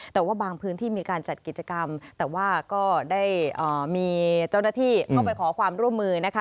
แต่ว่าบางพื้นที่มีการจัดกิจกรรมแต่ว่าก็ได้มีเจ้าหน้าที่เข้าไปขอความร่วมมือนะคะ